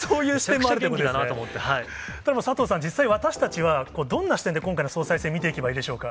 むちゃくちゃ元気だなと思っただ佐藤さん、実際私たちは、これ、どんな視点で今回の総裁選を見ていけばいいでしょうか。